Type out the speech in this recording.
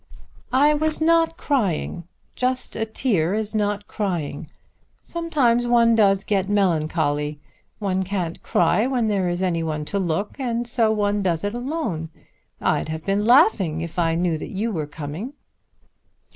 "I was not crying. Just a tear is not crying. Sometimes one does get melancholy. One can't cry when there is any one to look, and so one does it alone. I'd have been laughing if I knew that you were coming."